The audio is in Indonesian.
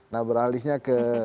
nah beralihnya ke